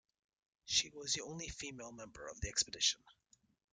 She was the only female member of the expedition.